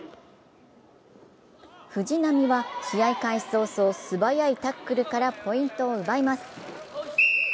藤波は試合開始早々すばやいタックルからポイントを奪います。